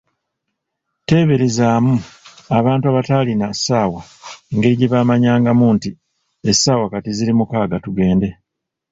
Teeberezaamu abantu abataalina ssaawa engeri gyebamanyangamu nti, essaawa kati ziri mukaaga tugende!